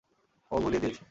ও ভুলিয়ে দিয়েছে!